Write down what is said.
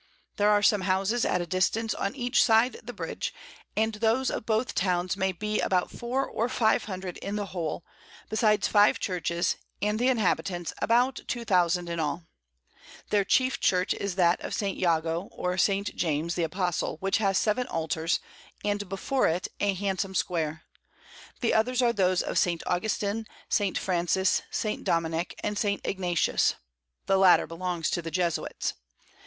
There are some Houses at a distance on each side the Bridge, and those of both Towns may be about 4 or 500 in the whole, besides 5 Churches, and the Inhabitants about 2000 in all. Their chief Church is that of St. Jago or St. James the Apostle, which has 7 Altars, and before it a handsom Square; the others are those of St. Augustin, St. Francis, St. Dominick, and St. Ignatius. The latter belongs to the Jesuits.